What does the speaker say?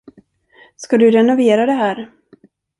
Ska du renovera det här?